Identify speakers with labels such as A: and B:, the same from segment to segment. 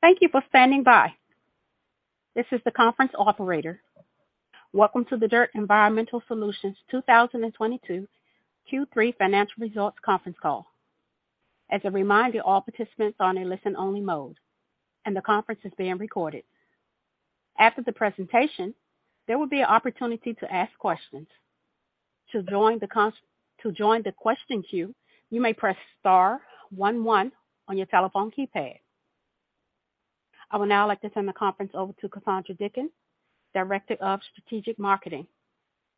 A: Thank you for standing by. This is the conference operator. Welcome to the DIRTT Environmental Solutions 2022 Q3 financial results conference call. As a reminder, all participants are in a listen-only mode, and the conference is being recorded. After the presentation, there will be an opportunity to ask questions. To join the question queue, you may press star one one on your telephone keypad. I would now like to turn the conference over to Cassondra Dickin, Director of Strategic Marketing.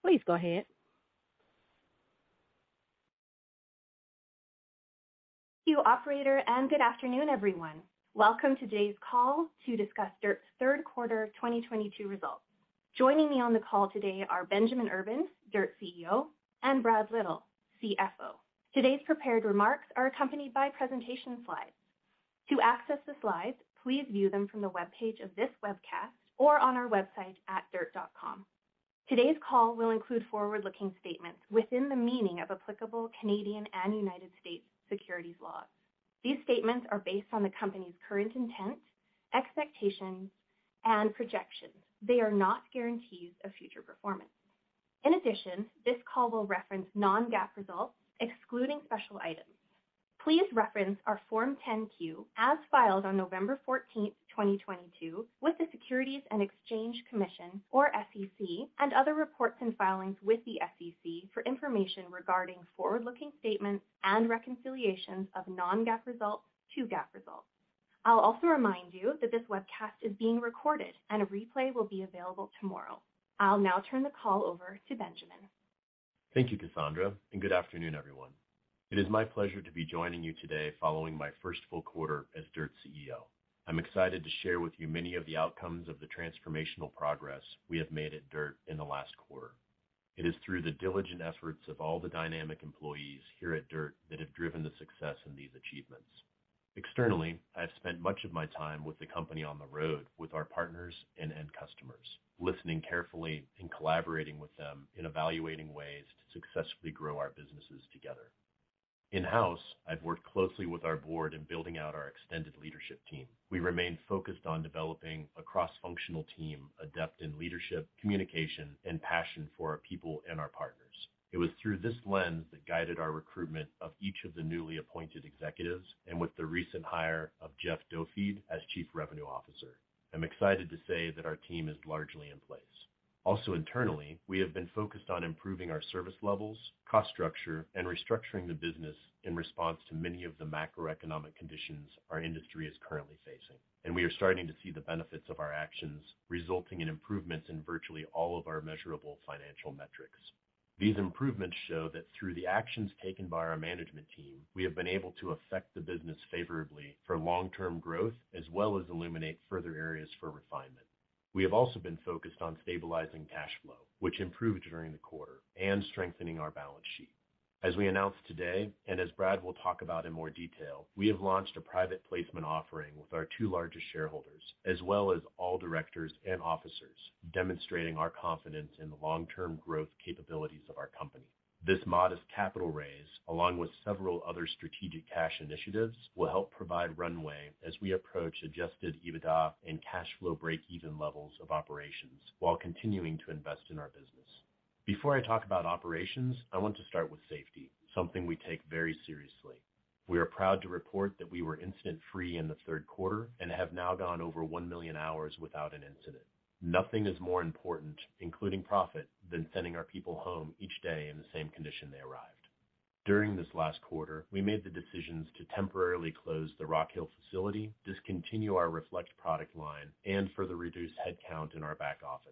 A: Please go ahead.
B: Thank you, operator, and good afternoon, everyone. Welcome to today's call to discuss DIRTT's Third Quarter of 2022 Results. Joining me on the call today are Benjamin Urban, DIRTT CEO, and Brad Little, CFO. Today's prepared remarks are accompanied by presentation slides. To access the slides, please view them from the webpage of this webcast or on our website at dirtt.com. Today's call will include forward-looking statements within the meaning of applicable Canadian and United States securities laws. These statements are based on the company's current intent, expectations, and projections. They are not guarantees of future performance. In addition, this call will reference non-GAAP results, excluding special items. Please reference our Form 10-Q as filed on November 14, 2022 with the Securities and Exchange Commission, or SEC, and other reports and filings with the SEC for information regarding forward-looking statements and reconciliations of non-GAAP results to GAAP results. I'll also remind you that this webcast is being recorded and a replay will be available tomorrow. I'll now turn the call over to Benjamin.
C: Thank you, Cassandra, and good afternoon, everyone. It is my pleasure to be joining you today following my first full quarter as DIRTT's CEO. I'm excited to share with you many of the outcomes of the transformational progress we have made at DIRTT in the last quarter. It is through the diligent efforts of all the dynamic employees here at DIRTT that have driven the success in these achievements. Externally, I've spent much of my time with the company on the road with our partners and end customers, listening carefully and collaborating with them in evaluating ways to successfully grow our businesses together. In-house, I've worked closely with our board in building out our extended leadership team. We remain focused on developing a cross-functional team, adept in leadership, communication, and passion for our people and our partners. It was through this lens that guided our recruitment of each of the newly appointed executives and with the recent hire of Jeff Dopheide as Chief Revenue Officer. I'm excited to say that our team is largely in place. Also internally, we have been focused on improving our service levels, cost structure, and restructuring the business in response to many of the macroeconomic conditions our industry is currently facing. We are starting to see the benefits of our actions resulting in improvements in virtually all of our measurable financial metrics. These improvements show that through the actions taken by our management team, we have been able to affect the business favorably for long-term growth as well as illuminate further areas for refinement. We have also been focused on stabilizing cash flow, which improved during the quarter, and strengthening our balance sheet. As we announced today, and as Brad will talk about in more detail, we have launched a private placement offering with our two largest shareholders, as well as all directors and officers, demonstrating our confidence in the long-term growth capabilities of our company. This modest capital raise, along with several other strategic cash initiatives, will help provide runway as we approach Adjusted EBITDA and cash flow break-even levels of operations while continuing to invest in our business. Before I talk about operations, I want to start with safety, something we take very seriously. We are proud to report that we were incident-free in the third quarter and have now gone over one million hours without an incident. Nothing is more important, including profit, than sending our people home each day in the same condition they arrived. During this last quarter, we made the decisions to temporarily close the Rock Hill facility, discontinue our Reflect product line, and further reduce headcount in our back office.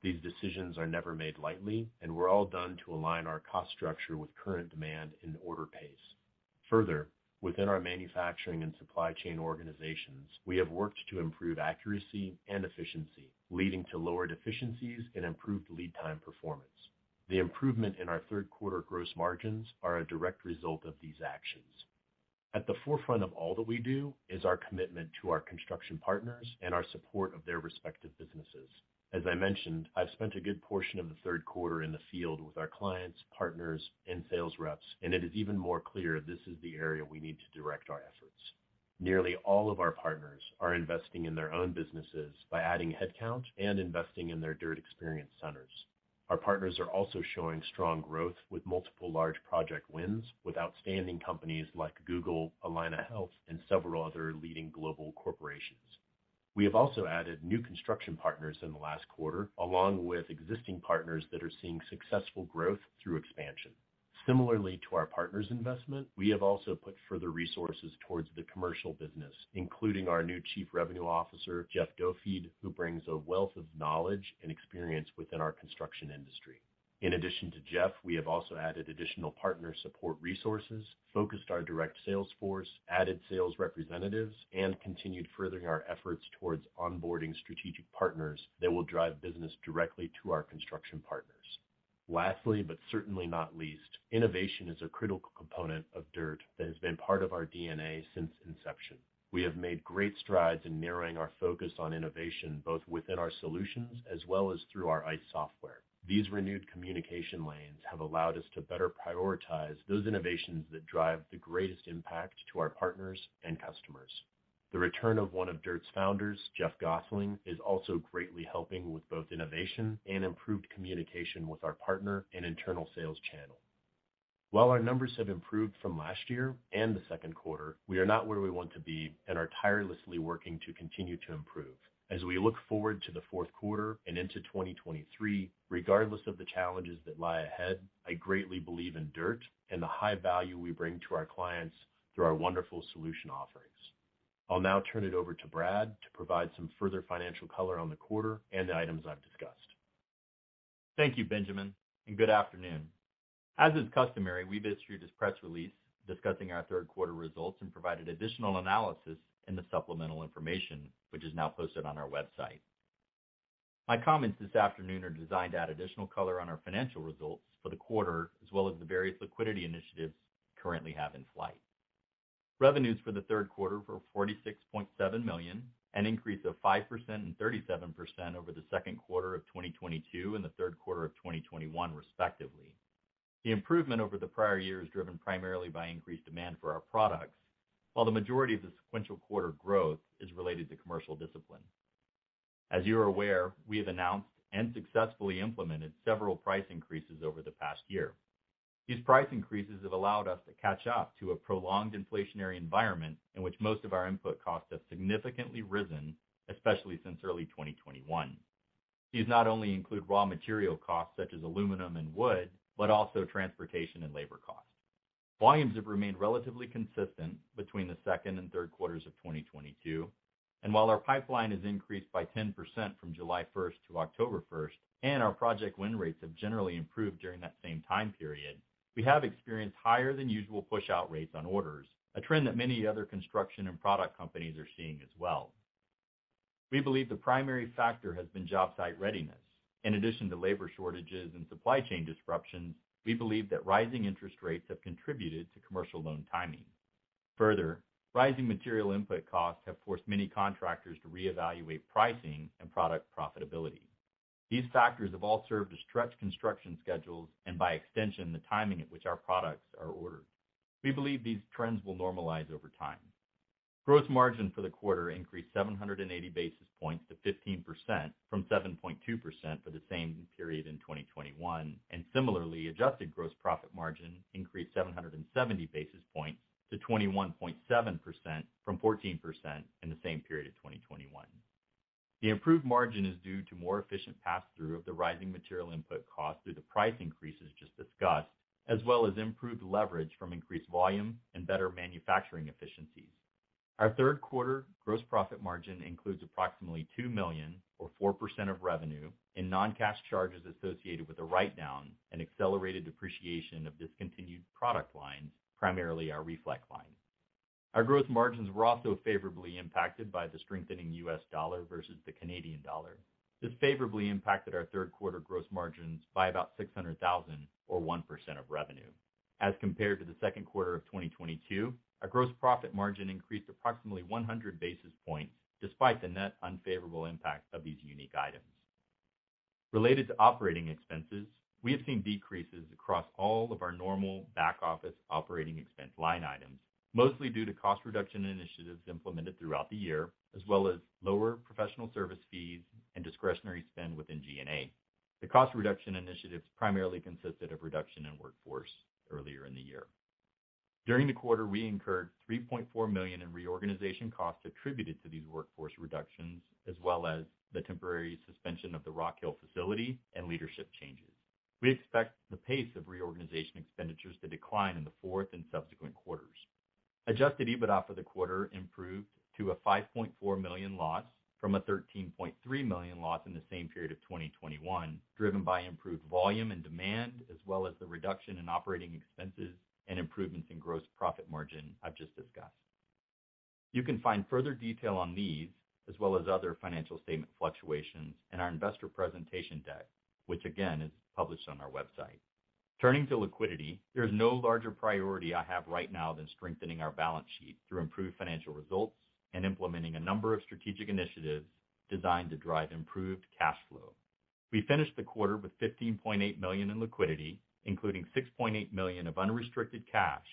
C: These decisions are never made lightly, and were all done to align our cost structure with current demand and order pace. Further, within our manufacturing and supply chain organizations, we have worked to improve accuracy and efficiency, leading to lower deficiencies and improved lead time performance. The improvement in our third quarter gross margins are a direct result of these actions. At the forefront of all that we do is our commitment to our construction partners and our support of their respective businesses. As I mentioned, I've spent a good portion of the third quarter in the field with our clients, partners, and sales reps, and it is even more clear this is the area we need to direct our efforts. Nearly all of our partners are investing in their own businesses by adding headcount and investing in their DIRTT experience centers. Our partners are also showing strong growth with multiple large project wins with outstanding companies like Google, Allina Health, and several other leading global corporations. We have also added new construction partners in the last quarter, along with existing partners that are seeing successful growth through expansion. Similarly to our partners' investment, we have also put further resources towards the commercial business, including our new Chief Revenue Officer, Jeff Dopheide, who brings a wealth of knowledge and experience within our construction industry. In addition to Jeff, we have also added additional partner support resources, focused our direct sales force, added sales representatives, and continued furthering our efforts towards onboarding strategic partners that will drive business directly to our construction partners. Lastly, but certainly not least, innovation is a critical component of DIRTT that has been part of our DNA since inception. We have made great strides in narrowing our focus on innovation, both within our solutions as well as through our ICE software. These renewed communication lanes have allowed us to better prioritize those innovations that drive the greatest impact to our partners and customers. The return of one of DIRTT's founders, Geoff Gosling, is also greatly helping with both innovation and improved communication with our partner and internal sales channel. While our numbers have improved from last year and the second quarter, we are not where we want to be and are tirelessly working to continue to improve. As we look forward to the fourth quarter and into 2023, regardless of the challenges that lie ahead, I greatly believe in DIRTT and the high value we bring to our clients through our wonderful solution offerings. I'll now turn it over to Brad to provide some further financial color on the quarter and the items I've discussed.
D: Thank you, Benjamin, and good afternoon. As is customary, we've issued this press release discussing our third quarter results and provided additional analysis in the supplemental information, which is now posted on our website. My comments this afternoon are designed to add additional color on our financial results for the quarter, as well as the various liquidity initiatives we currently have in flight. Revenues for the third quarter were 46.7 million, an increase of 5% and 37% over the second quarter of 2022 and the third quarter of 2021 respectively. The improvement over the prior year is driven primarily by increased demand for our products, while the majority of the sequential quarter growth is related to commercial discipline. As you are aware, we have announced and successfully implemented several price increases over the past year. These price increases have allowed us to catch up to a prolonged inflationary environment in which most of our input costs have significantly risen, especially since early 2021. These not only include raw material costs such as aluminum and wood, but also transportation and labor costs. Volumes have remained relatively consistent between the second and third quarters of 2022, and while our pipeline has increased by 10% from July 1-October 1, and our project win rates have generally improved during that same time period, we have experienced higher than usual pushout rates on orders, a trend that many other construction and product companies are seeing as well. We believe the primary factor has been job site readiness. In addition to labor shortages and supply chain disruptions, we believe that rising interest rates have contributed to commercial loan timing. Further, rising material input costs have forced many contractors to reevaluate pricing and product profitability. These factors have all served to stretch construction schedules and by extension, the timing at which our products are ordered. We believe these trends will normalize over time. Gross margin for the quarter increased 780 basis points to 15% from 7.2% for the same period in 2021, and similarly, adjusted gross profit margin increased 770 basis points to 21.7% from 14% in the same period of 2021. The improved margin is due to more efficient passthrough of the rising material input cost through the price increases just discussed, as well as improved leverage from increased volume and better manufacturing efficiencies. Our third quarter gross profit margin includes approximately 2 million or 4% of revenue in non-cash charges associated with the writedown and accelerated depreciation of discontinued product lines, primarily our Reflect line. Our growth margins were also favorably impacted by the strengthening US dollar versus the Canadian dollar. This favorably impacted our third quarter gross margins by about 600,000 or 1% of revenue. As compared to the second quarter of 2022, our gross profit margin increased approximately 100 basis points despite the net unfavorable impact of these unique items. Related to operating expenses, we have seen decreases across all of our normal back office operating expense line items, mostly due to cost reduction initiatives implemented throughout the year, as well as lower professional service fees and discretionary spend within G&A. The cost reduction initiatives primarily consisted of reduction in workforce earlier in the year. During the quarter, we incurred 3.4 million in reorganization costs attributed to these workforce reductions, as well as the temporary suspension of the Rock Hill facility and leadership changes. We expect the pace of reorganization expenditures to decline in the fourth and subsequent quarters. Adjusted EBITDA for the quarter improved to a 5.4 million loss from a 13.3 million loss in the same period of 2021, driven by improved volume and demand, as well as the reduction in operating expenses and improvements in gross profit margin I've just discussed. You can find further detail on these as well as other financial statement fluctuations in our investor presentation deck, which again, is published on our website. Turning to liquidity, there is no larger priority I have right now than strengthening our balance sheet through improved financial results and implementing a number of strategic initiatives designed to drive improved cash flow. We finished the quarter with 15.8 million in liquidity, including 6.8 million of unrestricted cash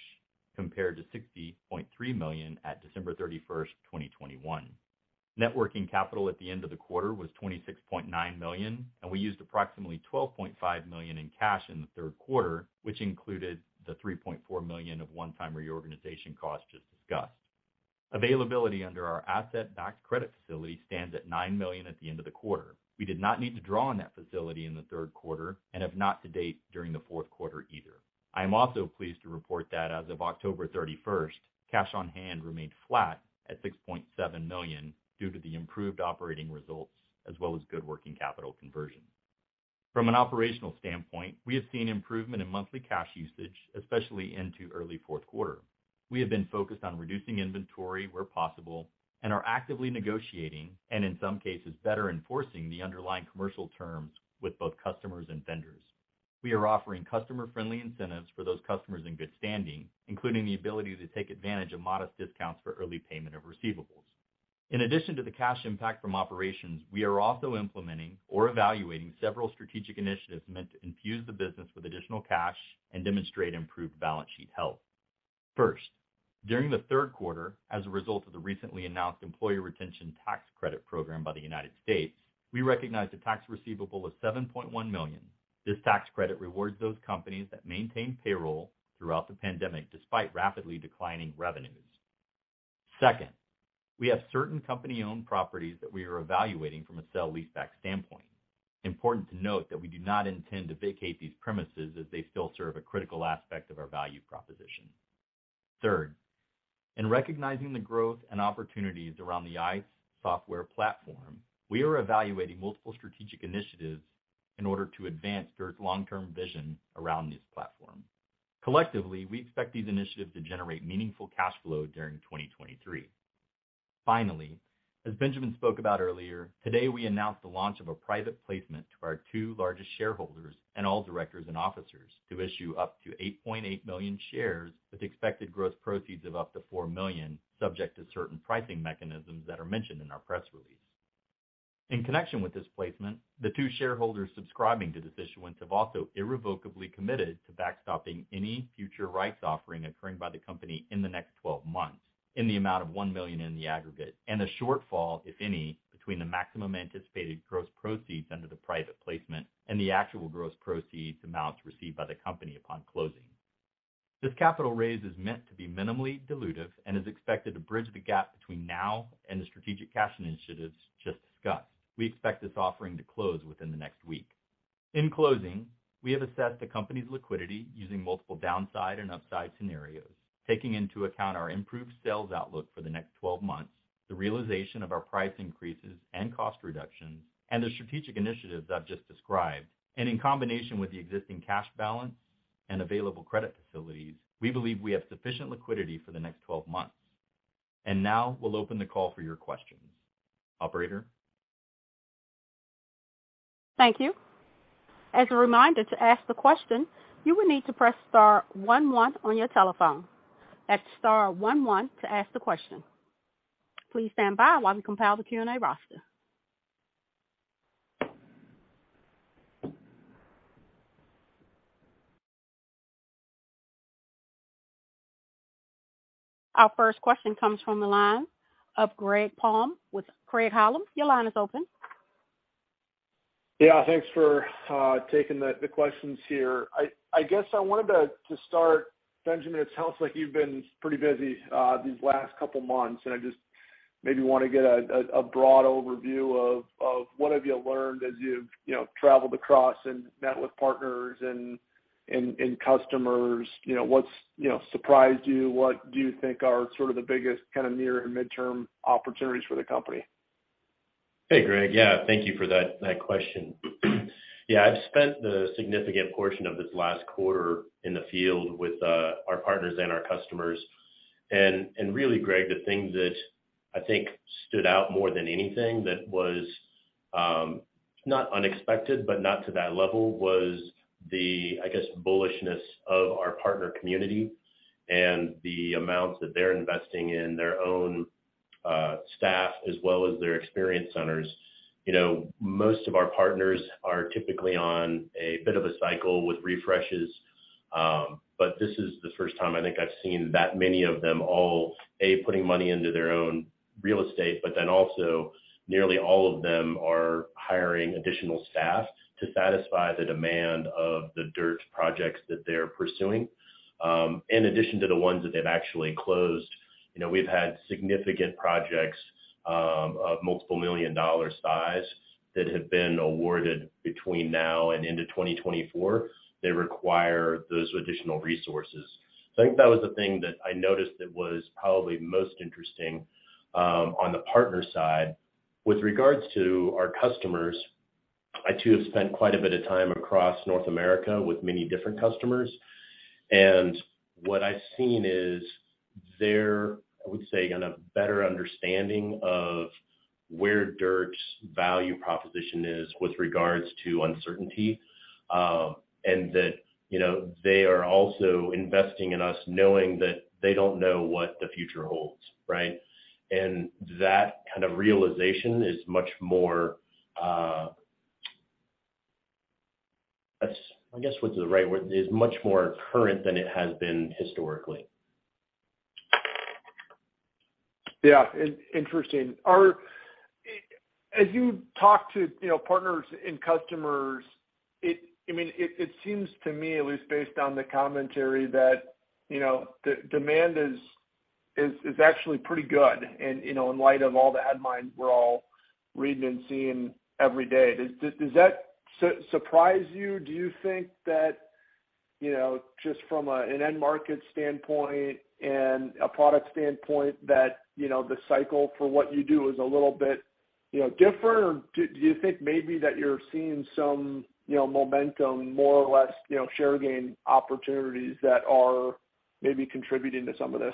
D: compared to 60.3 million at December 31, 2021. Net working capital at the end of the quarter was 26.9 million, and we used approximately 12.5 million in cash in the third quarter, which included the 3.4 million of one-time reorganization costs just discussed. Availability under our asset-backed credit facility stands at 9 million at the end of the quarter. We did not need to draw on that facility in the third quarter and have not to date during the fourth quarter either. I am also pleased to report that as of October 31st, cash on hand remained flat at 6.7 million due to the improved operating results as well as good working capital conversion. From an operational standpoint, we have seen improvement in monthly cash usage, especially into early fourth quarter. We have been focused on reducing inventory where possible and are actively negotiating, and in some cases, better enforcing the underlying commercial terms with both customers and vendors. We are offering customer-friendly incentives for those customers in good standing, including the ability to take advantage of modest discounts for early payment of receivables. In addition to the cash impact from operations, we are also implementing or evaluating several strategic initiatives meant to infuse the business with additional cash and demonstrate improved balance sheet health. First, during the third quarter, as a result of the recently announced Employee Retention Tax Credit program by the United States, we recognized a tax receivable of 7.1 million. This tax credit rewards those companies that maintain payroll throughout the pandemic, despite rapidly declining revenues. Second, we have certain company-owned properties that we are evaluating from a sale-leaseback standpoint. Important to note that we do not intend to vacate these premises as they still serve a critical aspect of our value proposition. Third, in recognizing the growth and opportunities around the ICE software platform, we are evaluating multiple strategic initiatives in order to advance DIRTT's long-term vision around this platform. Collectively, we expect these initiatives to generate meaningful cash flow during 2023. Finally, as Benjamin spoke about earlier, today we announced the launch of a private placement to our two largest shareholders and all directors and officers to issue up to 8.8 million shares with expected gross proceeds of up to 4 million, subject to certain pricing mechanisms that are mentioned in our press release. In connection with this placement, the two shareholders subscribing to this issuance have also irrevocably committed to backstopping any future rights offering occurring by the company in the next 12 months in the amount of 1 million in the aggregate, and a shortfall, if any, between the maximum anticipated gross proceeds under the private placement and the actual gross proceeds amounts received by the company upon closing. This capital raise is meant to be minimally dilutive and is expected to bridge the gap between now and the strategic cash initiatives just discussed. We expect this offering to close within the next week. In closing, we have assessed the company's liquidity using multiple downside and upside scenarios. Taking into account our improved sales outlook for the next 12 months, the realization of our price increases and cost reductions, and the strategic initiatives I've just described, and in combination with the existing cash balance and available credit facilities, we believe we have sufficient liquidity for the next 12 months. Now we'll open the call for your questions. Operator?
A: Thank you. As a reminder, to ask the question, you will need to press star one one on your telephone. That's star one one to ask the question. Please stand by while we compile the Q&A roster. Our first question comes from the line of Greg Palm with Craig-Hallum. Your line is open.
E: Yeah, thanks for taking the questions here. I guess I wanted to start, Benjamin, it sounds like you've been pretty busy these last couple months, and I just maybe wanna get a broad overview of what have you learned as you've, you know, traveled across and met with partners and customers. You know, what's, you know, surprised you? What do you think are sort of the biggest kinda near and midterm opportunities for the company?
C: Hey, Greg. Yeah, thank you for that question. Yeah, I've spent a significant portion of this last quarter in the field with our partners and our customers. Really, Greg, the thing that I think stood out more than anything that was not unexpected but not to that level was the, I guess, bullishness of our partner community and the amounts that they're investing in their own staff as well as their experience centers. You know, most of our partners are typically on a bit of a cycle with refreshes, but this is the first time I think I've seen that many of them all putting money into their own real estate, but then also nearly all of them are hiring additional staff to satisfy the demand of the DIRTT projects that they're pursuing. In addition to the ones that they've actually closed, you know, we've had significant projects of multiple million-dollar size that have been awarded between now and into 2024. They require those additional resources. I think that was the thing that I noticed that was probably most interesting on the partner side. With regards to our customers, I too have spent quite a bit of time across North America with many different customers, and what I've seen is they're, I would say, got a better understanding of where DIRTT's value proposition is with regards to uncertainty, and that, you know, they are also investing in us knowing that they don't know what the future holds, right? That kind of realization is much more current than it has been historically.
E: Yeah. In-interesting. Are-- A-as you talk to, you know, partners and customers, it-- I mean, it seems to me, at least based on the commentary, that, you know, the demand is, is actually pretty good and, you know, in light of all the headlines we're all reading and seeing every day. Does, does that su-surprise you? Do you think that, you know, just from a, an end market standpoint and a product standpoint that, you know, the cycle for what you do is a little bit, you know, different? Or do you think maybe that you're seeing some, you know, momentum more or less, you know, share gain opportunities that are maybe contributing to some of this?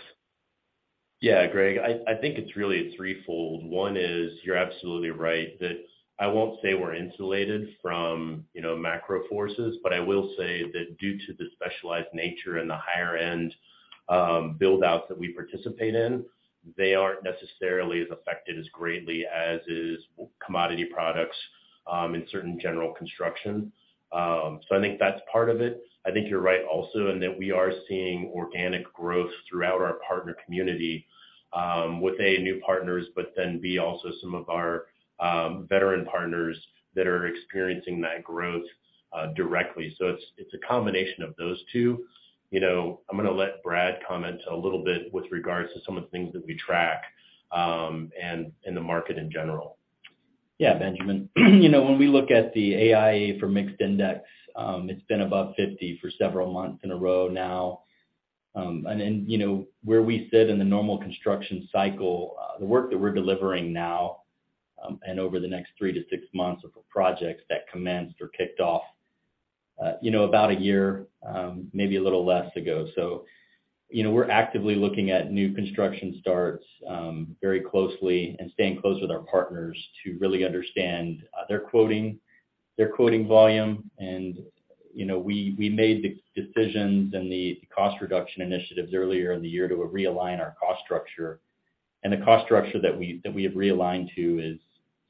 C: Yeah, Greg. I think it's really threefold. One is you're absolutely right that I won't say we're insulated from, you know, macro forces, but I will say that due to the specialized nature and the higher-end build-outs that we participate in. They aren't necessarily as affected as greatly as is commodity products in certain general construction. I think that's part of it. I think you're right also in that we are seeing organic growth throughout our partner community with A, new partners, but then B, also some of our veteran partners that are experiencing that growth directly. It's a combination of those two. You know, I'm gonna let Brad comment a little bit with regards to some of the things that we track and in the market in general.
D: Yeah, Benjamin. You know, when we look at the AIA, it's been above 50 for several months in a row now. You know, where we sit in the normal construction cycle, the work that we're delivering now, and over the next 3-6 months of projects that commenced or kicked off, you know, about a year, maybe a little less ago. You know, we're actively looking at new construction starts very closely and staying close with our partners to really understand their quoting volume. You know, we made decisions on the cost reduction initiatives earlier in the year to realign our cost structure. The cost structure that we have realigned to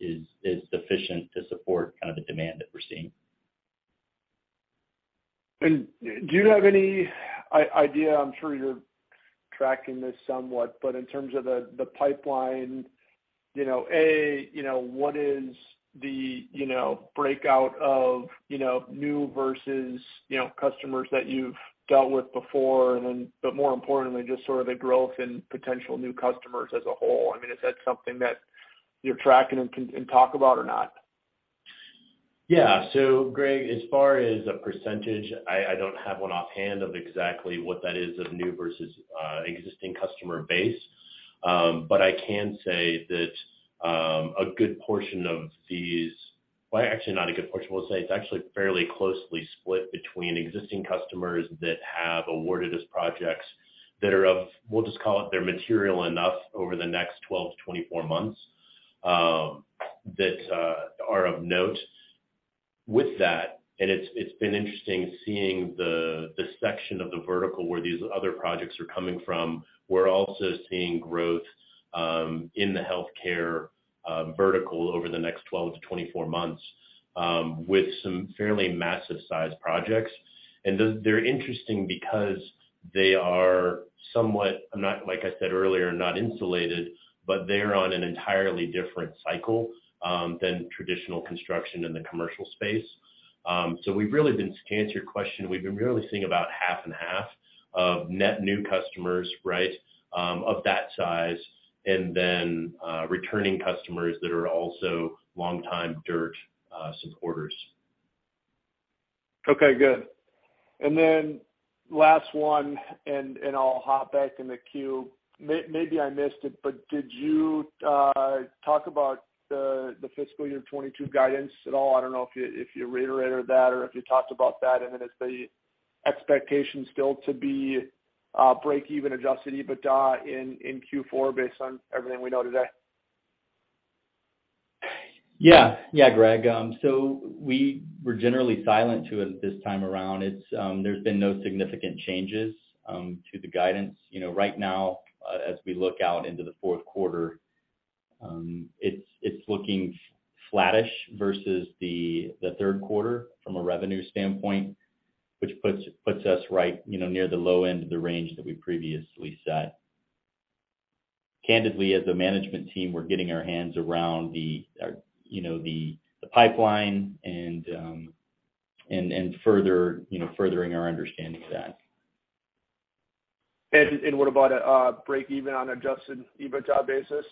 D: is sufficient to support kind of the demand that we're seeing.
E: Do you have any idea, I'm sure you're tracking this somewhat, but in terms of the pipeline, you know, what is the, you know, breakout of, you know, new versus, you know, customers that you've dealt with before? But more importantly, just sort of the growth in potential new customers as a whole. I mean, is that something that you're tracking and can talk about or not?
C: Yeah. Greg, as far as a percentage, I don't have one offhand of exactly what that is of new versus existing customer base. But I can say that a good portion of these. Well, actually not a good portion. We'll say it's actually fairly closely split between existing customers that have awarded us projects that are of, we'll just call it they're material enough over the next 12-24 months that are of note. With that, it's been interesting seeing the section of the vertical where these other projects are coming from. We're also seeing growth in the healthcare vertical over the next 12-24 months with some fairly massive size projects. Those, they're interesting because they are somewhat, not like I said earlier, not insulated, but they're on an entirely different cycle than traditional construction in the commercial space. We've really been, to answer your question, we've been really seeing about half and half of net new customers, right, of that size, and then, returning customers that are also longtime DIRTT supporters.
E: Okay, good. Last one, and I'll hop back in the queue. Maybe I missed it, but did you talk about the fiscal year 2022 guidance at all? I don't know if you reiterated that or if you talked about that. Is the expectations still to be break-even Adjusted EBITDA in Q4 based on everything we know today?
D: Yeah. Yeah, Greg. So we were generally silent on it this time around. It's, there's been no significant changes to the guidance. You know, right now, as we look out into the fourth quarter, it's looking flattish versus the third quarter from a revenue standpoint, which puts us right, you know, near the low end of the range that we previously set. Candidly, as a management team, we're getting our hands around the pipeline and further, you know, furthering our understanding of that.
E: What about breakeven on Adjusted EBITDA Basis?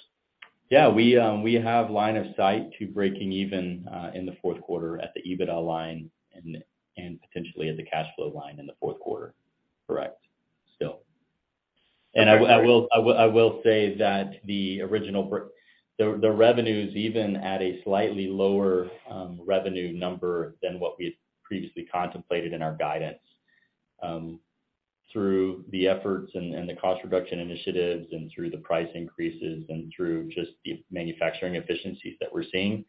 D: Yeah. We have line of sight to breaking even in the fourth quarter at the EBITDA line and potentially at the cash flow line in the fourth quarter. Correct, still. I will say that the revenues even at a slightly lower revenue number than what we had previously contemplated in our guidance, through the efforts and the cost reduction initiatives and through the price increases and through just the manufacturing efficiencies that we're seeing,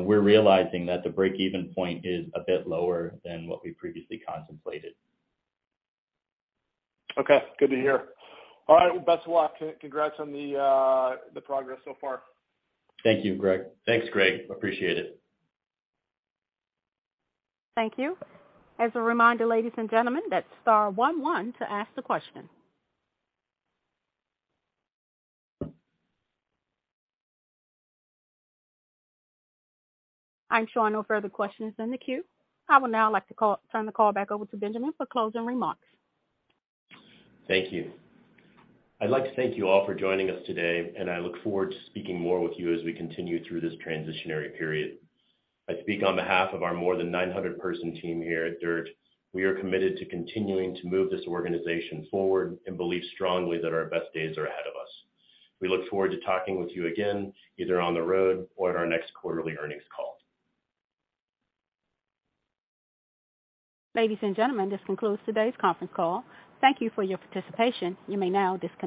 D: we're realizing that the break-even point is a bit lower than what we previously contemplated.
E: Okay, good to hear. All right, best of luck. Congrats on the progress so far.
C: Thank you, Greg.
D: Thanks, Greg. Appreciate it.
A: Thank you. As a reminder, ladies and gentlemen, that's star one one to ask the question. I'm showing no further questions in the queue. I would now like to turn the call back over to Benjamin for closing remarks.
C: Thank you. I'd like to thank you all for joining us today, and I look forward to speaking more with you as we continue through this transitionary period. I speak on behalf of our more than 900-person team here at DIRTT. We are committed to continuing to move this organization forward and believe strongly that our best days are ahead of us. We look forward to talking with you again, either on the road or at our next quarterly earnings call.
A: Ladies and gentlemen, this concludes today's conference call. Thank you for your participation. You may now disconnect.